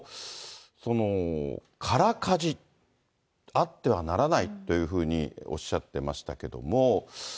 その空かじ、あってはならないというふうにおっしゃってましたけども。